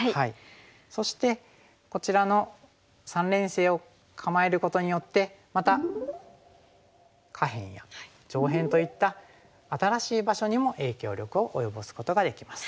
そしてこちらの三連星を構えることによってまた下辺や上辺といった新しい場所にも影響力を及ぼすことができます。